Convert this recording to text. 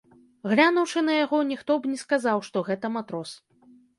Глянуўшы на яго, ніхто б не сказаў, што гэта матрос.